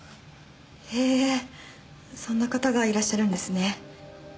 へえそんな方がいらっしゃるんですね。